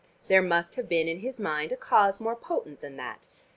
There must have been in his mind a cause more potent than that.